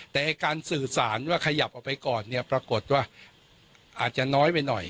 แต่การสื่อสารว่าขยับออกไปก่อนเนี่ยปรากฏว่าอาจจะน้อยไปหน่อย